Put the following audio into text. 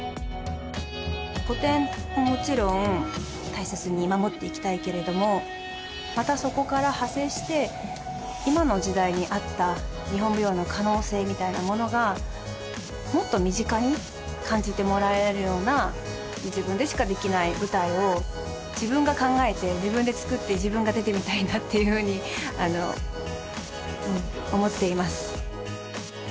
古典ももちろん大切に守っていきたいけれどもまたそこから派生して今の時代に合った日本舞踊の可能性みたいなものがもっと身近に感じてもらえるような自分でしかできない舞台を自分が考えて自分でつくって自分が出てみたいなっていうふうに思っています